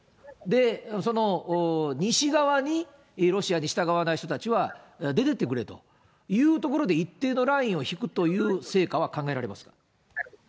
で、その西側にロシアに従わない人たちは出てってくれというところで一定のラインを引くという成果は考えられますか？